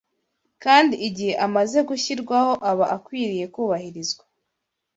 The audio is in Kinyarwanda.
kandi igihe amaze gushyirwaho aba akwiriye kubahirizwa